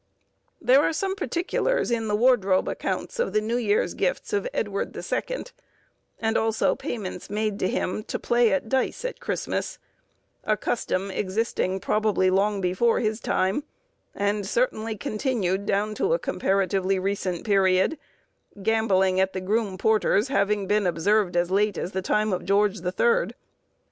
There are some particulars in the wardrobe accounts of the New Year's Gifts of Edward the Second, and also payments made to him to play at dice at Christmas; a custom existing probably long before his time, and certainly continued down to a comparatively recent period, gambling at the groom porter's having been observed as late as the time of George the Third.